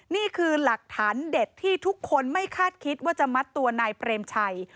นี่คือหลักฐานเด็ดที่ทุกคนไม่คาดคิดว่าจะมัดตัวนายเปรมชัย